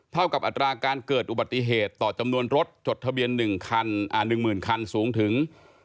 เท่ากับอัตราการเกิดอุบัติเหตุต่อจำนวนรถจดทะเบียน๑๐๐๐คันสูงถึง